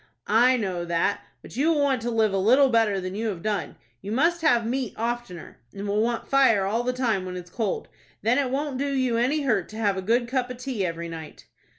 "I know that, but you will want to live a little better than you have done. You must have meat oftener, and will want fire all the time when it's cold. Then it won't do you any hurt to have a good cup of tea every night."